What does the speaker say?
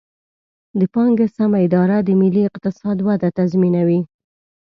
د پانګې سمه اداره د ملي اقتصاد وده تضمینوي.